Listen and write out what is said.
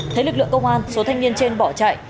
thấy lực lượng công an số thanh niên trên bỏ chạy